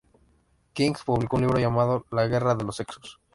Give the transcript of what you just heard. King publicó un libro llamado "La Guerra de los Sexos".